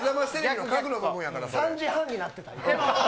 ３時半になってた、今。